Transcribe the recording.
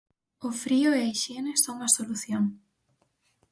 O frío e a hixiene son a solución.